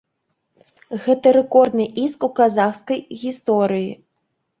Гэта рэкордны іск у казахскай гісторыі.